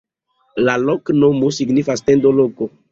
La loknomo signifas: tendo-loko.